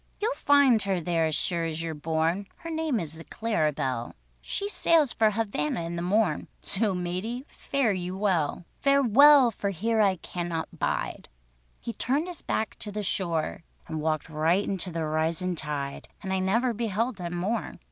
"You'll find her there as sure as you're born; Her name is the Clara Belle, She sails for Havanna in the morn, So, matey—fare you well! "Farewell—for here I cannot bide." He turned his back to the shore, And walked right into the risin' tide, And I never beheld him more.